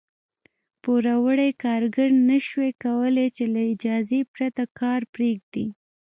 پوروړي کارګر نه شوای کولای چې له اجازې پرته کار پرېږدي.